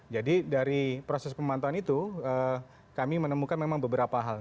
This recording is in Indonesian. jadi dari proses pemantauan itu kami menemukan memang beberapa hal